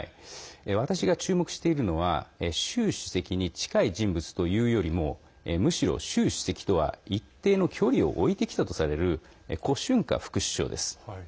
私が注目しているのは習主席に近い人物というよりもむしろ、習主席とは一定の距離を置いてきたとされる胡春華副首相です。